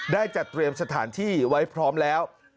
ได้จัดเตรียมสถานที่ไว้พร้อมแล้ว